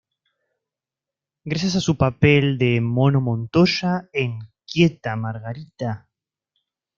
Gracias a su papel de "Mono Montoya" en "¡Quieta, Margarita!